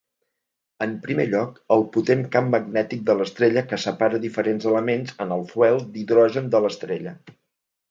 En primer lloc, el potent camp magnètic de l'estrella que separa diferents elements en el "fuel" d'hidrogen de l'estrella.